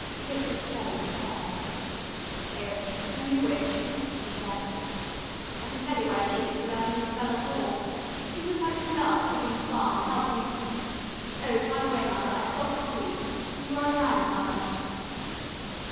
Richard's face fell. "Oh, only the witch?" he said. "I can tell you where she is without any spell at all. She's with my True Love at Higgins Farm, helping oh, by the way, mother, I forgot to tell you. You are a grandmother."